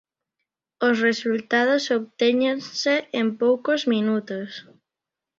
Os resultados obtéñense en poucos minutos.